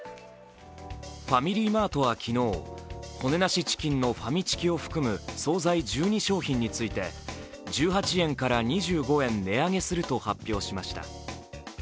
ファミリーマートは昨日、骨なしチキンのファミチキを含む総菜１２商品について１８円から２５円値上げすると発表しました。